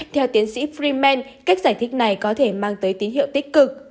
theo tiến sĩ freeman cách giải thích này có thể mang tới tín hiệu